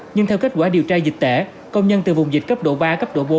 nhưng theo kết quả điều tra dịch tễ công nhân từ vùng dịch cấp độ ba cấp độ bốn